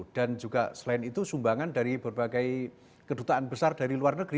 dan juga selain itu sumbangan dari berbagai kedutaan besar dari luar negeri